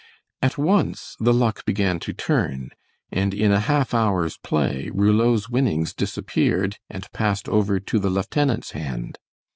At once the luck began to turn, and in a half hour's play Rouleau's winnings disappeared and passed over to the lieutenant's hand.